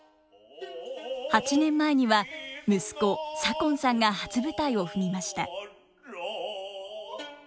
８年前には息子左近さんが初舞台を踏みました。